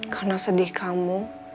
karena sedih kamu